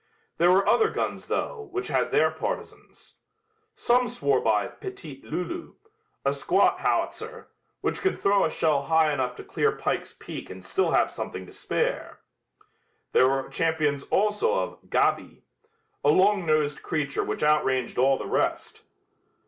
There were other guns, though, which had their partisans. Some swore by "Petite Lulu," a squat howitzer, which could throw a shell high enough to clear Pike's Peak and still have something to spare. There were champions also of "Gaby," a long nosed creature which outranged all the rest.